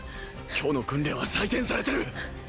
今日の訓練は採点されてる。